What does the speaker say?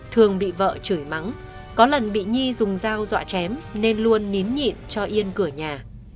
thường bị vợ chửi mắng có lần bị nhi dùng dao dọa chém nên luôn nín nhịn cho yên cửa nhà